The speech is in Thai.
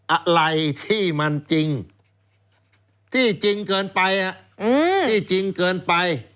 อะไรที่มันจริงที่จริงเกินไปที่จริงเกินไป